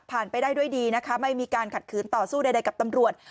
ไปได้ด้วยดีนะคะไม่มีการขัดขืนต่อสู้ใดกับตำรวจ